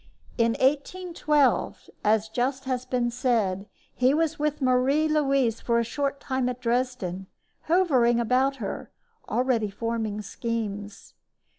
In 1812, as has just been said, he was with Marie Louise for a short time at Dresden, hovering about her, already forming schemes.